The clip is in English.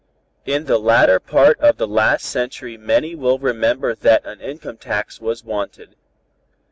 In the latter part of the last century many will remember that an income tax was wanted.